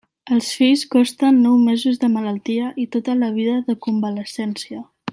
Els fills costen nou mesos de malaltia i tota la vida de convalescència.